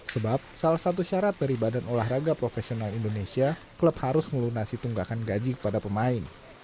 sebab salah satu syarat dari badan olahraga profesional indonesia klub harus melunasi tunggakan gaji kepada pemain